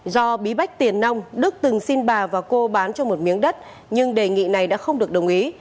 do bí bách tiền nông đức từng xin bà và cô bán cho một miếng đất nhưng đề nghị này đã không được đồng ý